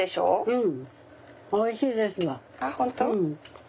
うん。